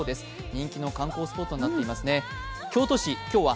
人気の観光スポットになっていますね。